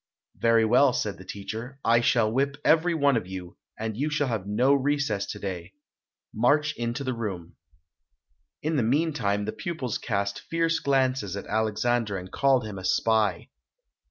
"Very well", said the teacher, "I shall whip every one of you, and you shall have no recess today. March into the room." In the meantime the pupils cast fierce glances at Alexandre and called him a spy.